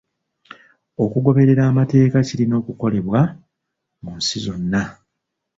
Okugoberera amateeka kirina okukolebwa mu nsi zonna.